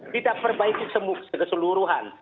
kita perbaiki keseluruhan